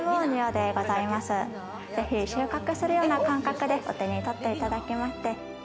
ぜひ収穫するような感覚でお手に取っていただきまして。